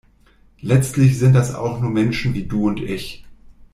Letztlich sind das auch nur Menschen wie du und ich.